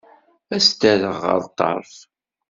Ad s-t-rreɣ ɣer ṭṭerf.